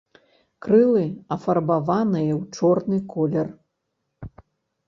Крылы афарбаваныя ў чорны колер.